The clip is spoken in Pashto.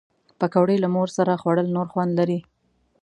پکورې له مور سره خوړل نور خوند لري